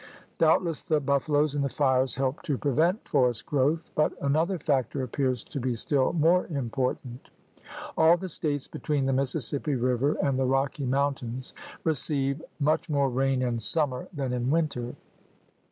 Doubtless the buffaloes and the fires helped to prevent forest growth, but another factor appears to be still more important. All the States between the Mississippi River and the Rocky Mountains receive much more rain in summer than in winter.